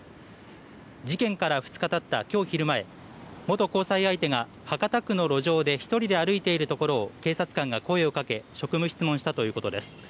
事件から２日たったきょう昼前、元交際相手が博多区の路上で１人で歩いているところを警察官が声をかけ職務質問したということです。